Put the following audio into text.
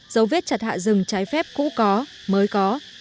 dấu vết chặt hạ rừng trái phép cũ có mới có